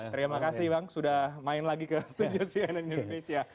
terima kasih bang sudah main lagi ke studio cnn indonesia